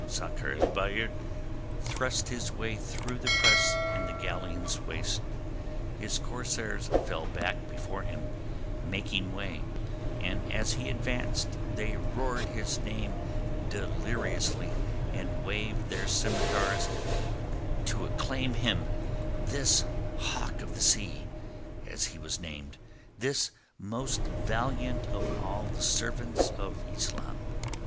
Sakr el Bahr thrust his way through the press in the galleon's waist; his corsairs fell back before him, making way, and as he advanced they roared his name deliriously and waved their scimitars to acclaim him this hawk of the sea, as he was named, this most valiant of all the servants of Islam.